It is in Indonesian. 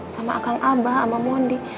sama akang abah sama mondi